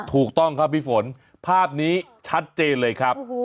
ถูกต้องครับพี่ฝนภาพนี้ชัดเจนเลยครับ